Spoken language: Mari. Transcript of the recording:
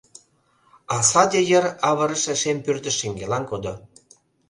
А саде йыр авырыше шем пӱрдыш шеҥгелан кодо...